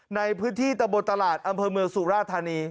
ในพื้นที่ตะบนตลาดอำเภอเมืองสุราธานี